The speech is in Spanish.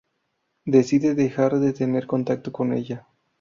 Decide dejar de tener contacto con ella.